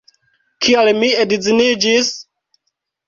Kial mi edziĝis?